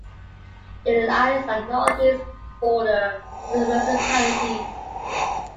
It lies on the northeast border of the municipality.